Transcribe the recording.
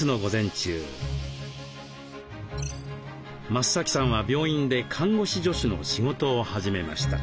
増さんは病院で看護師助手の仕事を始めました。